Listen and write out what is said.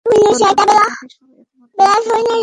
বন্ধুরা, জানি সবাই এই মুহূর্তে একটা ধাঁধার মধ্যে আছেন!